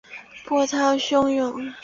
波涛汹涌